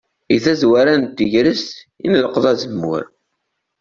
Deg tazwara n tegrest i nleqqeḍ azemmur.